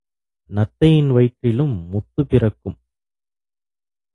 நத்தையின் வயிற்றிலும் முத்துப் பிறக்கும்.